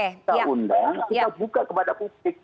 kita undang kita buka kepada publik